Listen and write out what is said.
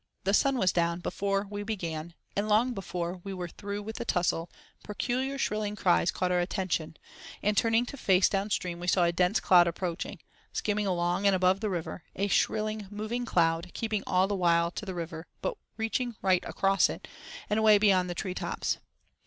The sun was down before we began; and long before we were through with the tussle, peculiar shrilling cries caught our attention, and, turning to face down stream, we saw a dense cloud approaching—skimming along and above the river: a shrilling, moving cloud, keeping all the while to the river, but reaching right across it, and away beyond the tree tops.